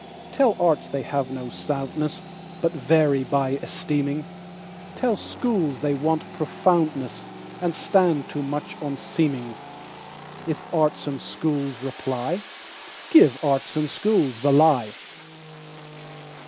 Tell arts they have no soundness, But vary by esteeming; Tell schools they want profoundness, And stand too much on seeming:If arts and schools reply, Give arts and schools the lie.